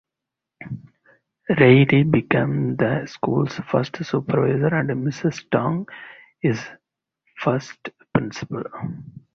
Reilly became the school's first supervisor and Mrs. Tong its first principal.